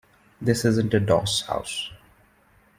This isn't a doss house.